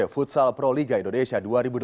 futsal pro liga indonesia dua ribu delapan belas